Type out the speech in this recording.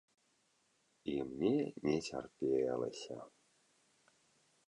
І мне не цярпелася.